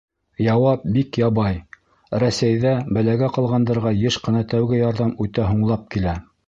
Яуап бик ябай: Рәсәйҙә бәләгә ҡалғандарға йыш ҡына тәүге ярҙам үтә һуңлап килә.